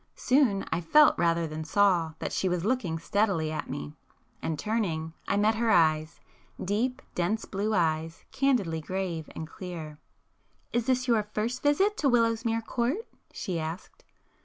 Soon I felt, rather than saw, that she was looking steadily at me,—and turning, I met her eyes,—deep dense blue eyes, candidly grave and clear. "Is this your first visit to Willowsmere Court?" she asked.